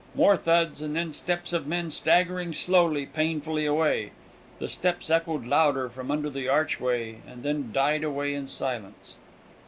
More thuds; and then the steps of men staggering slowly, painfully away. The steps echoed louder from under the archway, and then died away in silence.